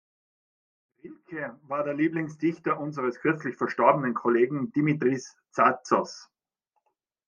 Rilke war der Lieblingsdichter unseres kürzlich verstorbenen Kollegen Dimitris Tsatsos.